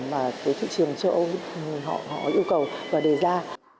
mà thị trường châu âu yêu cầu và đề ra